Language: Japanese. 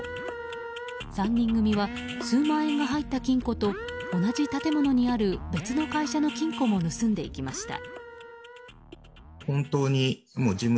３人組は、数万円が入った金庫と同じ建物にある別の会社の金庫も盗んでいきました。